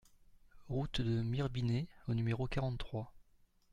Route de Mirebinet au numéro quarante-trois